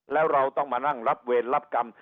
แล้วเราต้องมานั่งรับเวรรับกรรม